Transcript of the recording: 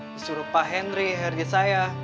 disuruh pak henry rg saya